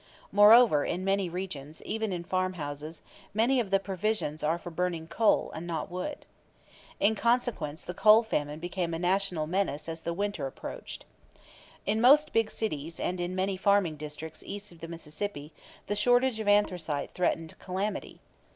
Moreover, in many regions, even in farmhouses, many of the provisions are for burning coal and not wood. In consequence, the coal famine became a National menace as the winter approached. In most big cities and many farming districts east of the Mississippi the shortage of anthracite threatened calamity.